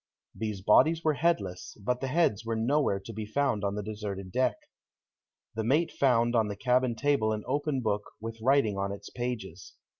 These bodies were headless, but the heads were nowhere to be found on the deserted deck. The mate found on the cabin table an open book, with writing on its pages.